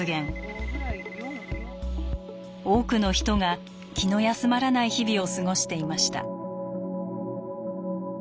多くの人が気の休まらない日々を過ごしていました。